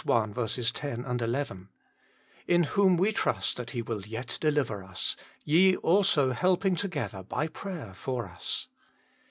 L 10, 11 : "In whom we trust that He will yet deliver us, ye also helping together ly prayer for us."